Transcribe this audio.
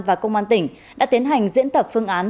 và công an tỉnh đã tiến hành diễn tập phương án